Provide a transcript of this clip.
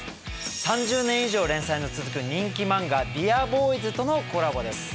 ３０年以上連載の続く人気漫画「ＤＥＡＲＢＯＹＳ」とのコラボです。